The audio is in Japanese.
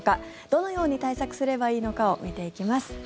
どのように対策すればいいのかを見ていきます。